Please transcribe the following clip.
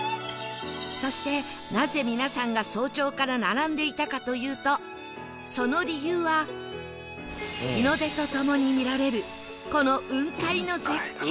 そしてなぜ皆さんが早朝から並んでいたかというとその理由は日の出とともに見られるこの雲海の絶景